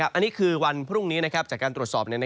อันนี้คือวันพรุ่งนี้จากการตรวจสอบ